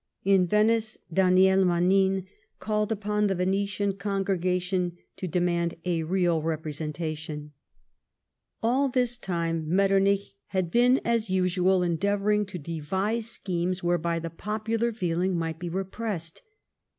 In Venice, 184 LIFE OF PRINCE METTEBNICE. Daniel jNIanin called upon the Venetian congregation to demand a real representation. All this time Metternich had been, as usual, endeavouring to devise schemes whereby the po])ular feeling might be; repressed.